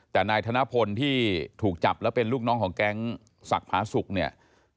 แต่นายธนพลที่ถูกจับแล้วเป็นลูกน้องของแก๊งศักดิ์ผาสุกเนี่ย